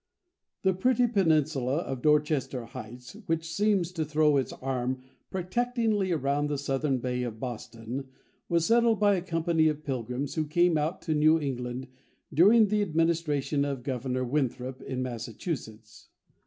The pretty peninsula of Dorchester Heights, which seems to throw its arm protectingly around the southern bay of Boston, was settled by a company of pilgrims who came out to New England during the administration of Governor Winthrop, in Massachusetts.